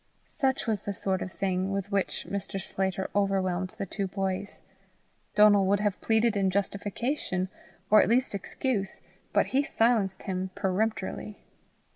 Such was the sort of thing with which Mr. Sclater overwhelmed the two boys. Donal would have pleaded in justification, or at least excuse, but he silenced him peremptorily.